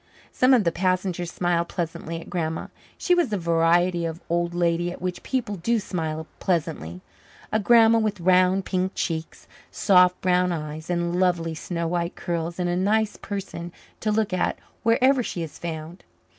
Some of the passengers smiled pleasantly at Grandma. She was the variety of old lady at which people do smile pleasantly; a grandma with round, pink cheeks, soft, brown eyes, and lovely snow white curls is a nice person to look at wherever she is found.